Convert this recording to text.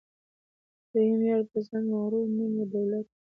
دریم یار په ځان مغرور نوم یې دولت وو